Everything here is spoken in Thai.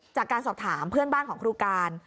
จากการสอบถามเพื่อนบ้านของครูการ